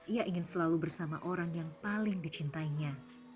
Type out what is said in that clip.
ia ingin selalu bersama orang yang paling dicintainya